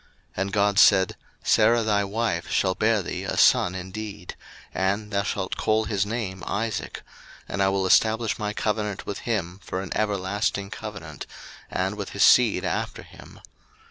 01:017:019 And God said, Sarah thy wife shall bear thee a son indeed; and thou shalt call his name Isaac: and I will establish my covenant with him for an everlasting covenant, and with his seed after him.